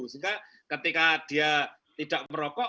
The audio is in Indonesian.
sehingga ketika dia tidak merokok